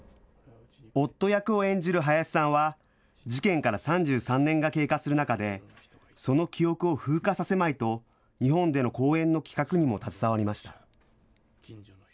夫役を演じる林さんは、事件から３３年が経過する中で、その記憶を風化させまいと、日本での公演の企画にも携わりました。